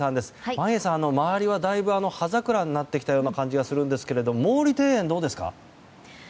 眞家さん、周りはだいぶ葉桜になってきたような感じがするんですけど毛利庭園、どうですか？